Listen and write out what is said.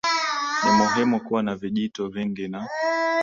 ni muhimu kuwa na vijito vingi Na